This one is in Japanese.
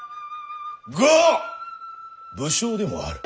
が武将でもある。